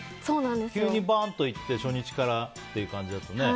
急にバンといって初日からっていう感じだとね。